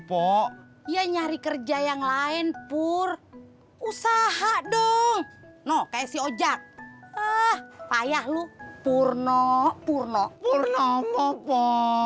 pokoknya nyari kerja yang lain pur usaha dong no kesio jak ah payah lu purno purno purno